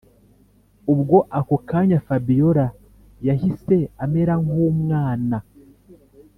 ubwo ako kanya fabiora yahise amera nkumwana